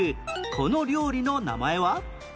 この料理の名前は？